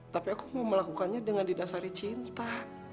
tapi aku mau melakukannya dengan didasari cinta